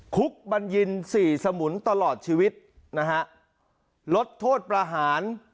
คุกบัญญินสี่สมุนตลอดชีวิตนะฮะลดโทษประหาร